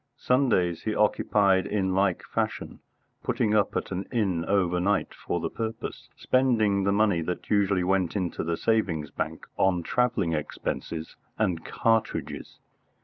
Sundays he occupied in like fashion, putting up at an inn overnight for the purpose, spending the money that usually went into the savings bank on travelling expenses and cartridges.